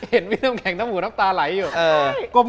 เห็นวิทยาลัยแข่งน้ำหูน้ำตาไหลอยู่